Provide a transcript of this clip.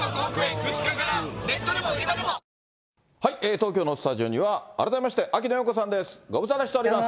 東京のスタジオには、改めまして、秋野暢子さんです。